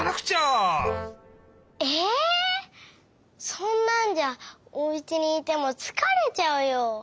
そんなんじゃおうちにいてもつかれちゃうよ！